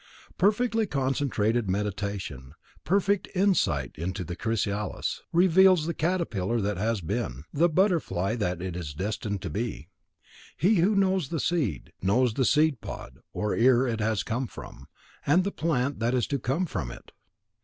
Perfectly concentrated Meditation, perfect insight into the chrysalis, reveals the caterpillar that it has been, the butterfly that it is destined to be. He who knows the seed, knows the seed pod or ear it has come from, and the plant that is to come from it.